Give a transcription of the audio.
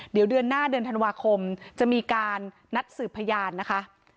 เดี๋ยวเดือนหน้าเดือนธันวาคมจะมีการนัดสืบพยานนะคะ